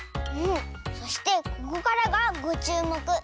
そしてここからがごちゅうもく。